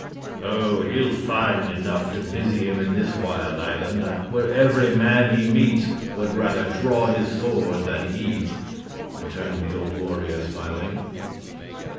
"Oh, he'll find enough to busy him in this wild island, where every man he meets would rather draw his sword than eat," returned the old warrior, smiling.